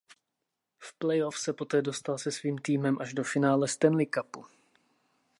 V playoff se poté dostal se svým týmem až do finále Stanley Cupu.